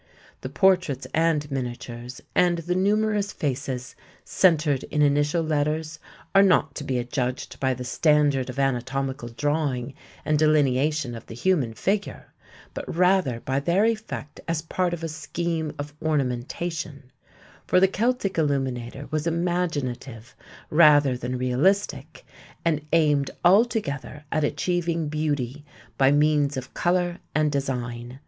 The portraits and miniatures and the numerous faces centred in initial letters are not to be adjudged by the standard of anatomical drawing and delineation of the human figure, but rather by their effect as part of a scheme of ornamentation; for the Celtic illuminator was imaginative rather than realistic, and aimed altogether at achieving beauty by means of color and design.